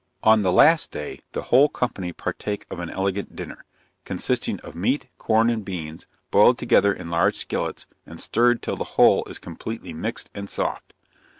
On the last day, the whole company partake of an elegant dinner, consisting of meat, corn and beans, boiled together in large kettles, and stirred till the whole is completely mixed and soft.